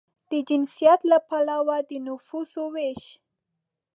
د جنسیت له پلوه د نفوسو وېش